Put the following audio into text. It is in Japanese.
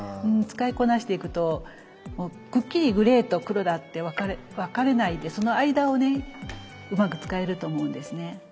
使いこなしていくとくっきりグレーと黒だって分かれないでその間をねうまく使えると思うんですね。